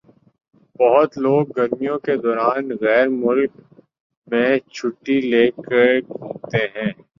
بہت لوگ گرمیوں کے دوران غیر ملک میں چھٹّی لے کر گھومتے ہیں۔